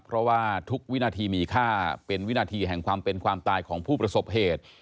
เพราะว่าทุกวินาทีมีค่าเป็นวินาทีแห่งความเป็นความตายของผู้ประสบเหตุ